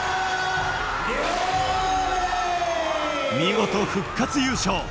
見事、復活優勝。